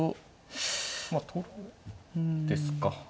まあ取る。ですか。